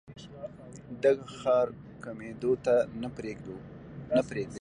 دغه خارښ کمېدو ته نۀ پرېږدي